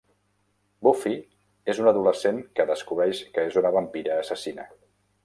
Buffy és una adolescent que descobreix que és una vampira assassina.